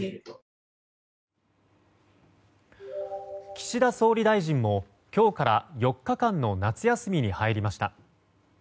岸田総理大臣も今日から４日間の夏休みに入りました。